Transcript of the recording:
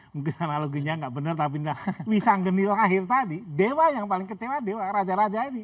mungkin analoginya nggak benar tapi pisang geni lahir tadi dewa yang paling kecewa dewa raja raja ini